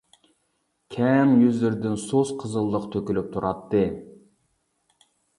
كەڭ يۈزلىرىدىن سۇس قىزىللىق تۆكۈلۈپ تۇراتتى.